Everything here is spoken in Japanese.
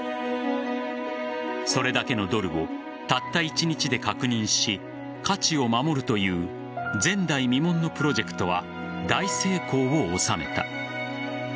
それだけのドルをたった１日で確認し価値を守るという前代未聞のプロジェクトは大成功を収めた。